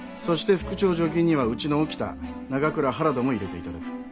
そして副長助勤にはうちの沖田永倉原田も入れて頂く。